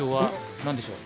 な何でしょうか。